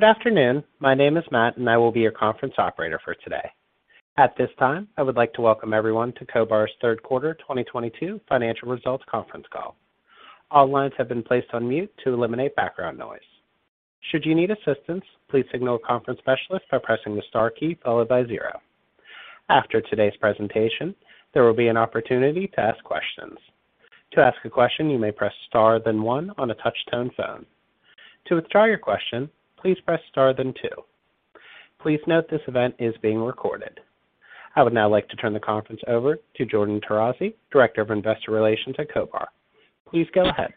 Good afternoon. My name is Matt, and I will be your conference operator for today. At this time, I would like to welcome everyone to CohBar's third quarter 2022 financial results conference call. All lines have been placed on mute to eliminate background noise. Should you need assistance, please signal a conference specialist by pressing the star key followed by zero. After today's presentation, there will be an opportunity to ask questions. To ask a question, you may press star then one on a touch-tone phone. To withdraw your question, please press star then two. Please note this event is being recorded. I would now like to turn the conference over to Jordyn Tarazi, Director of Investor Relations at CohBar. Please go ahead.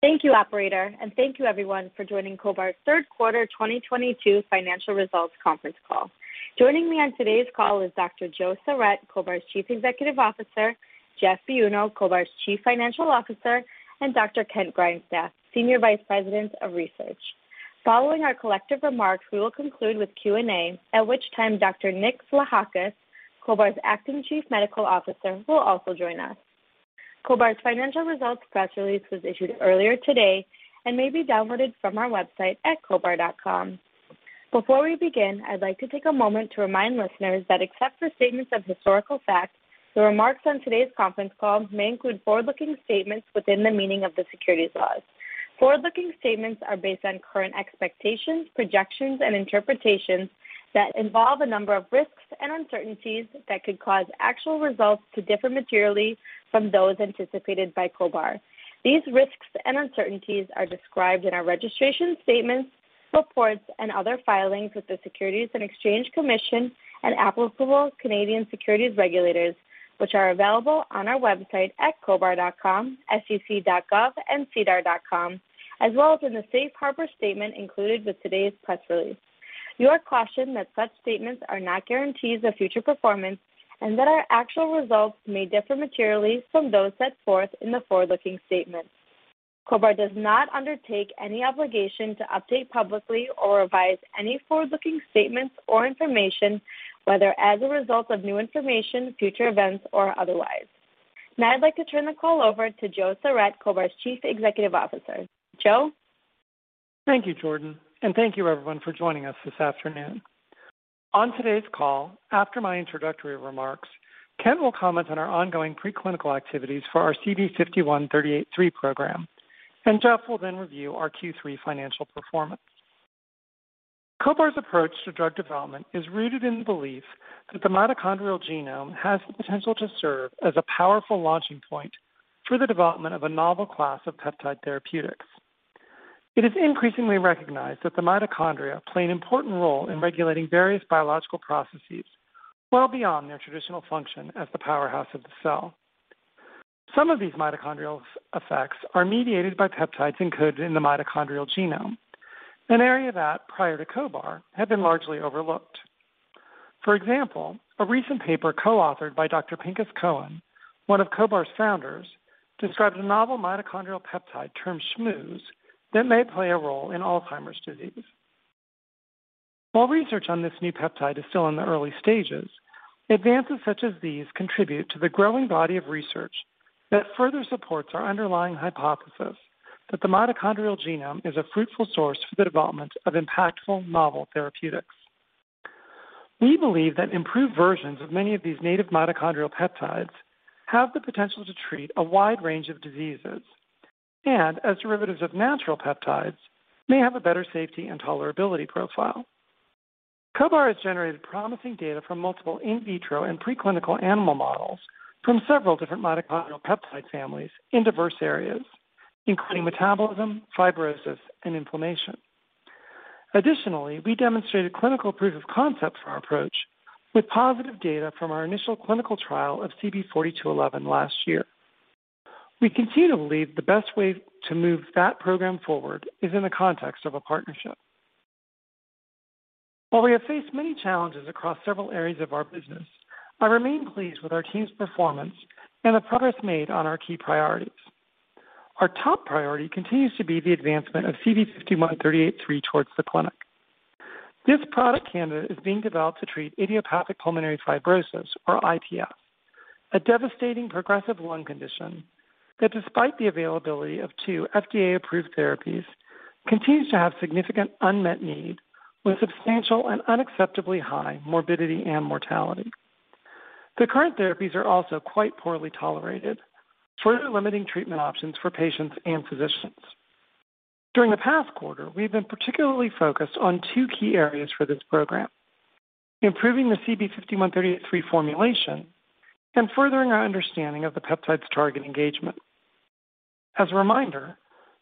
Thank you, operator, and thank you everyone for joining CohBar's third quarter 2022 financial results conference call. Joining me on today's call is Dr. Joe Sarret, CohBar's Chief Executive Officer, Jeff Biunno, CohBar's Chief Financial Officer, and Dr. Kent Grindstaff, Senior Vice President of Research. Following our collective remarks, we will conclude with Q&A, at which time Dr. Nick Vlahakis, CohBar's Acting Chief Medical Officer, will also join us. CohBar's financial results press release was issued earlier today and may be downloaded from our website at cohbar.com. Before we begin, I'd like to take a moment to remind listeners that except for statements of historical fact, the remarks on today's conference call may include forward-looking statements within the meaning of the securities laws. Forward-looking statements are based on current expectations, projections, and interpretations that involve a number of risks and uncertainties that could cause actual results to differ materially from those anticipated by CohBar. These risks and uncertainties are described in our registration statements, reports, and other filings with the Securities and Exchange Commission and applicable Canadian securities regulators, which are available on our website at cohbar.com, sec.gov, and sedar.com, as well as in the safe harbor statement included with today's press release. You are cautioned that such statements are not guarantees of future performance and that our actual results may differ materially from those set forth in the forward-looking statements. CohBar does not undertake any obligation to update publicly or revise any forward-looking statements or information, whether as a result of new information, future events, or otherwise. Now I'd like to turn the call over to Joe Sarret, CohBar's Chief Executive Officer. Joe? Thank you, Jordyn, and thank you everyone for joining us this afternoon. On today's call, after my introductory remarks, Kent will comment on our ongoing preclinical activities for our CB5138-3 program, and Jeff will then review our Q3 financial performance. CohBar's approach to drug development is rooted in the belief that the mitochondrial genome has the potential to serve as a powerful launching point for the development of a novel class of peptide therapeutics. It is increasingly recognized that the mitochondria play an important role in regulating various biological processes well beyond their traditional function as the powerhouse of the cell. Some of these mitochondrial effects are mediated by peptides encoded in the mitochondrial genome, an area that, prior to CohBar, had been largely overlooked. For example, a recent paper co-authored by Dr. Pinchas Cohen, one of CohBar's founders, describes a novel mitochondrial peptide termed SHMOOSE that may play a role in Alzheimer's disease. While research on this new peptide is still in the early stages, advances such as these contribute to the growing body of research that further supports our underlying hypothesis that the mitochondrial genome is a fruitful source for the development of impactful novel therapeutics. We believe that improved versions of many of these native mitochondrial peptides have the potential to treat a wide range of diseases and, as derivatives of natural peptides, may have a better safety and tolerability profile. CohBar has generated promising data from multiple in vitro and preclinical animal models from several different mitochondrial peptide families in diverse areas, including metabolism, fibrosis, and inflammation. Additionally, we demonstrated clinical proof of concept for our approach with positive data from our initial clinical trial of CB4211 last year. We continue to believe the best way to move that program forward is in the context of a partnership. While we have faced many challenges across several areas of our business, I remain pleased with our team's performance and the progress made on our key priorities. Our top priority continues to be the advancement of CB5138-3 towards the clinic. This product candidate is being developed to treat idiopathic pulmonary fibrosis or IPF, a devastating progressive lung condition that, despite the availability of two FDA-approved therapies, continues to have significant unmet need with substantial and unacceptably high morbidity and mortality. The current therapies are also quite poorly tolerated, further limiting treatment options for patients and physicians. During the past quarter, we have been particularly focused on two key areas for this program, improving the CB5138-3 formulation and furthering our understanding of the peptide's target engagement. As a reminder,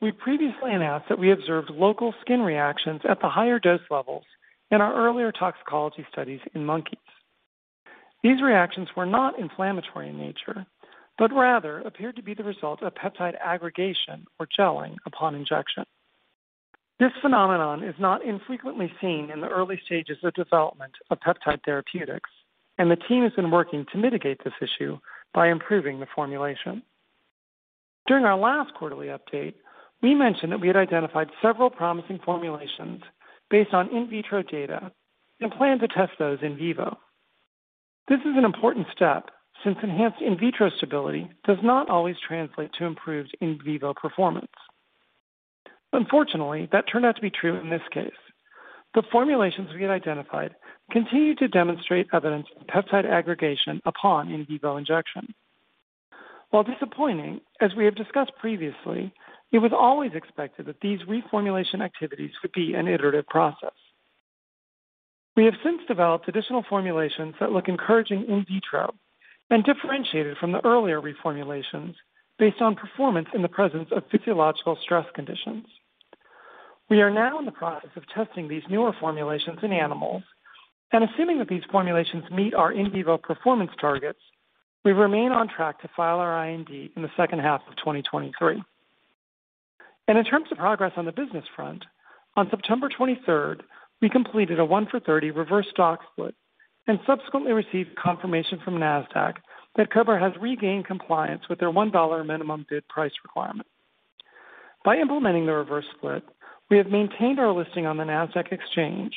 we previously announced that we observed local skin reactions at the higher dose levels in our earlier toxicology studies in monkeys. These reactions were not inflammatory in nature, but rather appeared to be the result of peptide aggregation or gelling upon injection. This phenomenon is not infrequently seen in the early stages of development of peptide therapeutics, and the team has been working to mitigate this issue by improving the formulation. During our last quarterly update, we mentioned that we had identified several promising formulations based on in vitro data and plan to test those in vivo. This is an important step since enhanced in vitro stability does not always translate to improved in vivo performance. Unfortunately, that turned out to be true in this case. The formulations we had identified continued to demonstrate evidence of peptide aggregation upon in vivo injection. While disappointing, as we have discussed previously, it was always expected that these reformulation activities would be an iterative process. We have since developed additional formulations that look encouraging in vitro and differentiated from the earlier reformulations based on performance in the presence of physiological stress conditions. We are now in the process of testing these newer formulations in animals, and assuming that these formulations meet our in vivo performance targets, we remain on track to file our IND in the second half of 2023. In terms of progress on the business front, on September 23rd, we completed a 1-for-30 reverse stock split and subsequently received confirmation from Nasdaq that CohBar has regained compliance with their $1 minimum bid price requirement. By implementing the reverse split, we have maintained our listing on the Nasdaq exchange,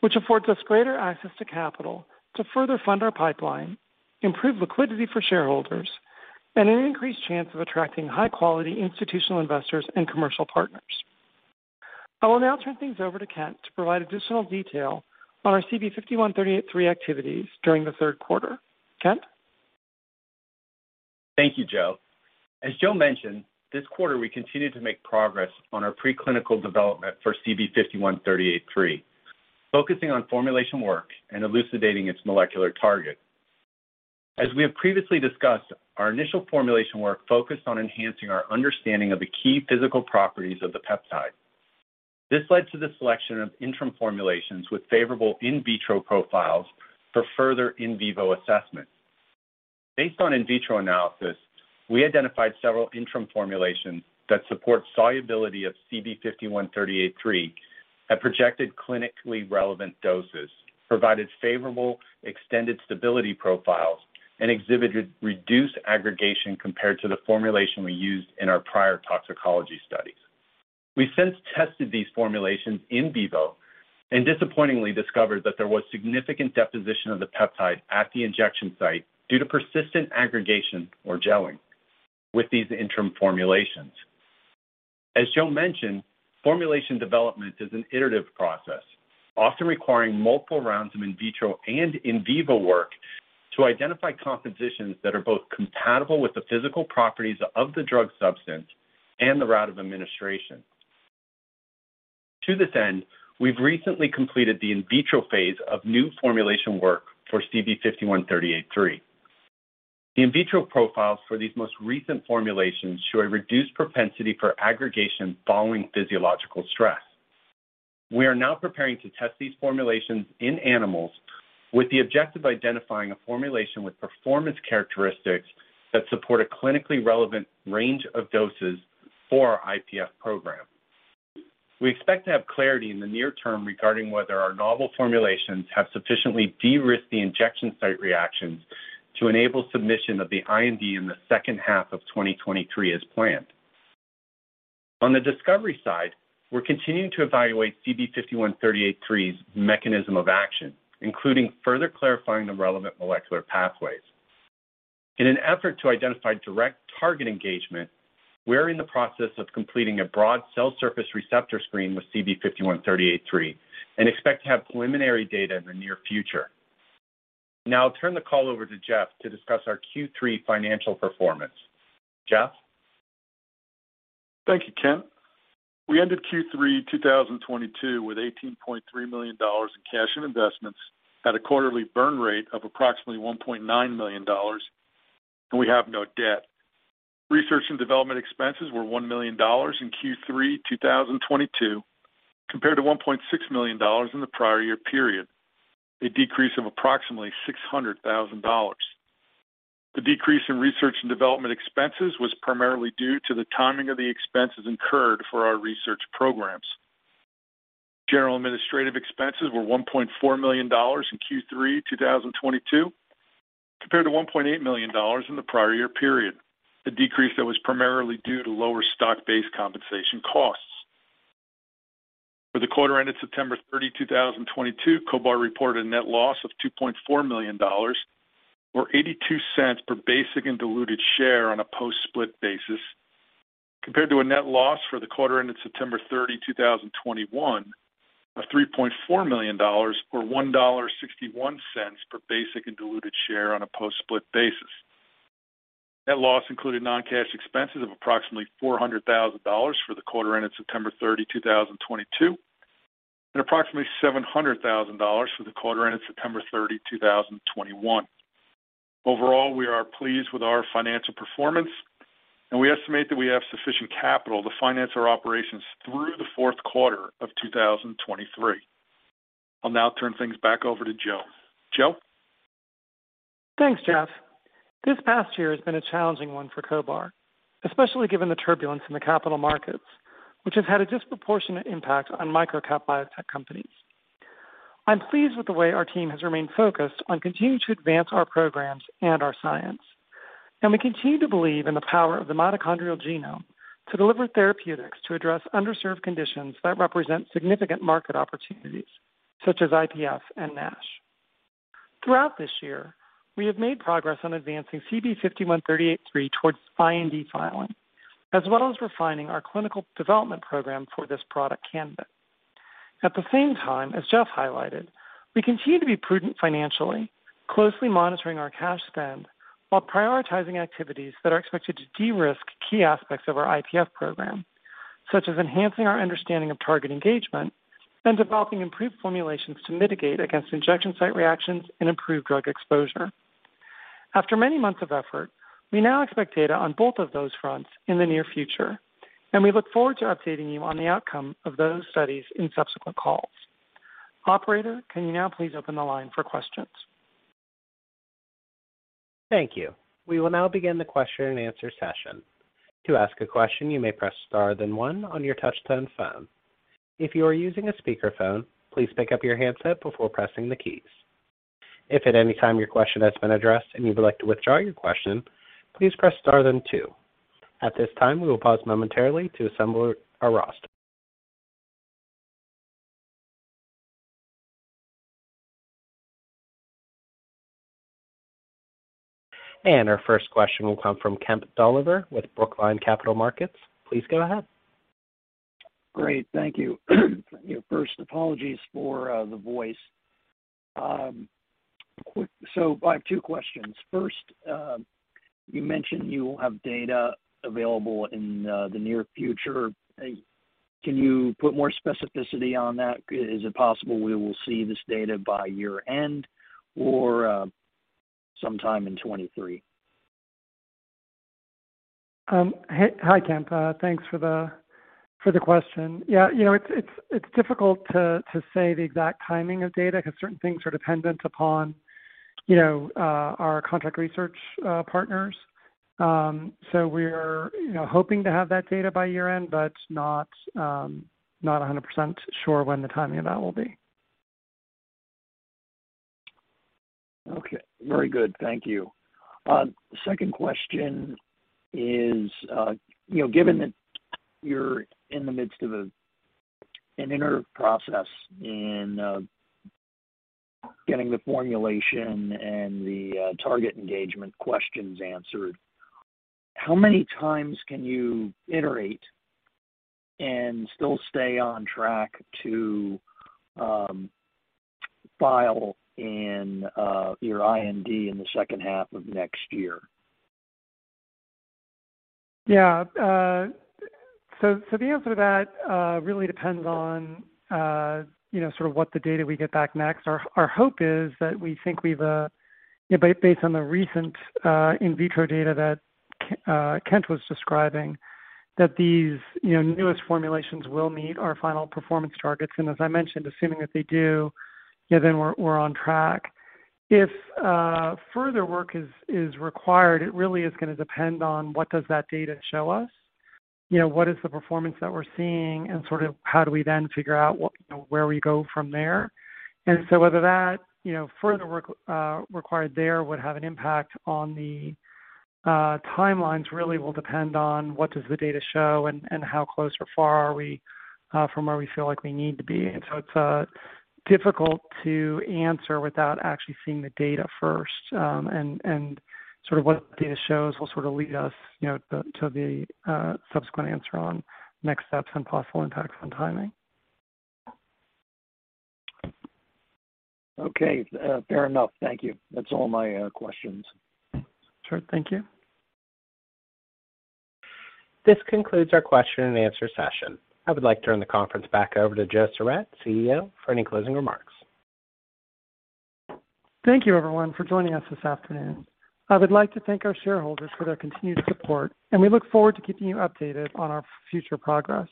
which affords us greater access to capital to further fund our pipeline, improve liquidity for shareholders, and an increased chance of attracting high quality institutional investors and commercial partners. I will now turn things over to Kent to provide additional detail on our CB5138-3 activities during the third quarter. Kent? Thank you, Joe. As Joe mentioned, this quarter we continued to make progress on our preclinical development for CB5138-3, focusing on formulation work and elucidating its molecular target. As we have previously discussed, our initial formulation work focused on enhancing our understanding of the key physical properties of the peptide. This led to the selection of interim formulations with favorable in vitro profiles for further in vivo assessment. Based on in vitro analysis, we identified several interim formulations that support solubility of CB5138-3 at projected clinically relevant doses, provided favorable extended stability profiles, and exhibited reduced aggregation compared to the formulation we used in our prior toxicology studies. We since tested these formulations in vivo and disappointingly discovered that there was significant deposition of the peptide at the injection site due to persistent aggregation or gelling with these interim formulations. As Joe mentioned, formulation development is an iterative process, often requiring multiple rounds of in vitro and in vivo work to identify compositions that are both compatible with the physical properties of the drug substance and the route of administration. To this end, we've recently completed the in vitro phase of new formulation work for CB5138-3. The in vitro profiles for these most recent formulations show a reduced propensity for aggregation following physiological stress. We are now preparing to test these formulations in animals with the objective of identifying a formulation with performance characteristics that support a clinically relevant range of doses for our IPF program. We expect to have clarity in the near term regarding whether our novel formulations have sufficiently de-risked the injection site reactions to enable submission of the IND in the second half of 2023 as planned. On the discovery side, we're continuing to evaluate CB5138-3's mechanism of action, including further clarifying the relevant molecular pathways. In an effort to identify direct target engagement, we're in the process of completing a broad cell surface receptor screen with CB5138-3 and expect to have preliminary data in the near future. Now I'll turn the call over to Jeff to discuss our Q3 financial performance. Jeff? Thank you, Kent. We ended Q3 2022 with $18.3 million in cash and investments at a quarterly burn rate of approximately $1.9 million, and we have no debt. Research and development expenses were $1 million in Q3 2022 compared to $1.6 million in the prior year period, a decrease of approximately $600,000. The decrease in research and development expenses was primarily due to the timing of the expenses incurred for our research programs. General administrative expenses were $1.4 million in Q3 2022 compared to $1.8 million in the prior year period, a decrease that was primarily due to lower stock-based compensation costs. For the quarter ended September 30, 2022, CohBar reported a net loss of $2.4 million or $0.82 per basic and diluted share on a post-split basis, compared to a net loss for the quarter ended September 30, 2021, of $3.4 million or $1.61 per basic and diluted share on a post-split basis. Net loss included non-cash expenses of approximately $400,000 for the quarter ended September 30, 2022, and approximately $700,000 for the quarter ended September 30, 2021. Overall, we are pleased with our financial performance, and we estimate that we have sufficient capital to finance our operations through the fourth quarter of 2023. I'll now turn things back over to Joe. Joe? Thanks, Jeff. This past year has been a challenging one for CohBar, especially given the turbulence in the capital markets, which has had a disproportionate impact on microcap biotech companies. I'm pleased with the way our team has remained focused on continuing to advance our programs and our science. We continue to believe in the power of the mitochondrial genome to deliver therapeutics to address underserved conditions that represent significant market opportunities such as IPF and NASH. Throughout this year, we have made progress on advancing CB5138-3 towards IND filing, as well as refining our clinical development program for this product candidate. At the same time, as Jeff highlighted, we continue to be prudent financially, closely monitoring our cash spend while prioritizing activities that are expected to de-risk key aspects of our IPF program, such as enhancing our understanding of target engagement and developing improved formulations to mitigate against injection site reactions and improve drug exposure. After many months of effort, we now expect data on both of those fronts in the near future, and we look forward to updating you on the outcome of those studies in subsequent calls. Operator, can you now please open the line for questions? Thank you. We will now begin the question and answer session. To ask a question, you may press star then one on your touch tone phone. If you are using a speaker phone, please pick up your handset before pressing the keys. If at any time your question has been addressed and you would like to withdraw your question, please press star then two. At this time, we will pause momentarily to assemble our roster. Our first question will come from Kemp Dolliver with Brookline Capital Markets. Please go ahead. Great. Thank you. First, apologies for the voice. I have two questions. First, you mentioned you will have data available in the near future. Can you put more specificity on that? Is it possible we will see this data by year-end or sometime in 2023? Hi, Kemp. Thanks for the question. Yeah, you know, it's difficult to say the exact timing of data 'cause certain things are dependent upon, you know, our contract research partners. So we're, you know, hoping to have that data by year-end, but not 100% sure when the timing of that will be. Okay. Very good. Thank you. Second question is, you know, given that you're in the midst of an IND process in getting the formulation and the target engagement questions answered, how many times can you iterate and still stay on track to file an IND in the second half of next year? Yeah. So the answer to that really depends on, you know, sort of what the data we get back next. Our hope is that we think we've based on the recent in vitro data that Kent was describing, that these, you know, newest formulations will meet our final performance targets. As I mentioned, assuming that they do, you know, then we're on track. If further work is required, it really is gonna depend on what does that data show us. You know, what is the performance that we're seeing and sort of how do we then figure out what, you know, where we go from there. Whether that, you know, further work required there would have an impact on the timelines really will depend on what does the data show and how close or far are we from where we feel like we need to be. It's difficult to answer without actually seeing the data first. Sort of what the data shows will sort of lead us, you know, to the subsequent answer on next steps and possible impacts on timing. Okay. Fair enough. Thank you. That's all my questions. Sure. Thank you. This concludes our question and answer session. I would like to turn the conference back over to Joe Sarret, CEO, for any closing remarks. Thank you everyone for joining us this afternoon. I would like to thank our shareholders for their continued support, and we look forward to keeping you updated on our future progress.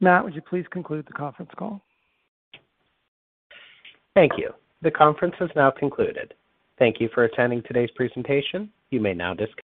Matt, would you please conclude the conference call? Thank you. The conference has now concluded. Thank you for attending today's presentation. You may now dis-